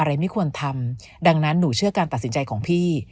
ไม่ควรทำดังนั้นหนูเชื่อการตัดสินใจของพี่